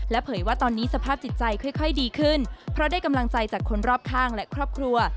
เผยว่าตอนนี้สภาพจิตใจค่อยดีขึ้นเพราะได้กำลังใจจากคนรอบข้างและครอบครัว